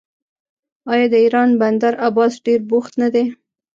آیا د ایران بندر عباس ډیر بوخت نه دی؟